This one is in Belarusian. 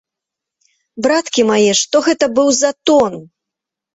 Браткі мае, што гэта быў за тон!